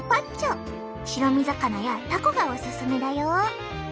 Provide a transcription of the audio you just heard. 白身魚やタコがおすすめだよ。